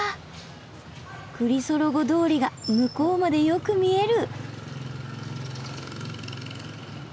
クリソロゴ通りが向こうまでよく見える。